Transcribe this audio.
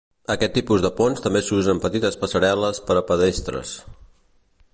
Aquest tipus de ponts també s'usa en petites passarel·les per a pedestres.